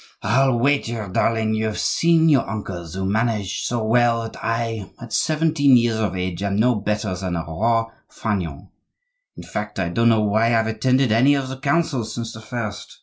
"I'll wager, darling, you have seen your uncles, who manage so well that I, at seventeen years of age, am no better than a roi faineant. In fact, I don't know why I have attended any of the councils since the first.